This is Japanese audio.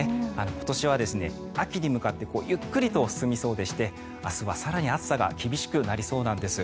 今年は秋に向かってゆっくりと進みそうでして明日は更に暑さが厳しくなりそうなんです。